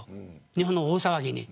日本の大騒ぎに。